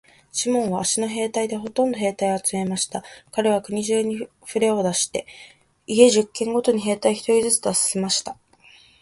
シモンは藁の兵隊でほんとの兵隊を集めました。かれは国中にふれを出して、家十軒ごとに兵隊一人ずつ出させました。